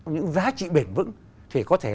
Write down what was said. những giá trị bền vững thì có thể